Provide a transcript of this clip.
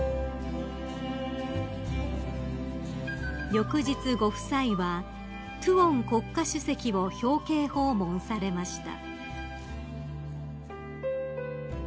［翌日ご夫妻はトゥオン国家主席を表敬訪問されました］